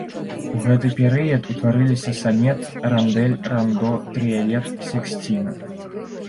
У гэты перыяд утварыліся санет, рандэль, рандо, трыялет, сексціна.